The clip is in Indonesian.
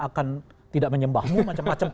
akan tidak menyembahmu macam macam